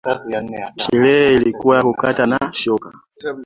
Sherehe ilikuwa ya kukata na shoka